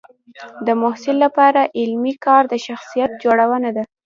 د محصل لپاره علمي کار د شخصیت جوړونه ده.